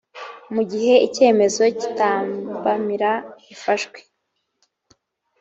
mu gihe icyemezo cyitambamira gifashwe